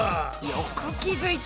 よく気付いた！